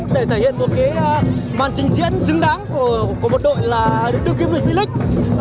để thể hiện một cái màn trình xuyến xứng đáng của một đội là đội tiêu kiếm lịch vy lịch